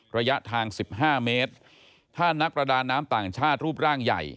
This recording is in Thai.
ระยะทาง๑๕เมตรถ้านักประดาน้ำต่างชาติรูปร่างใหญ่